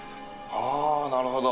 ああなるほど。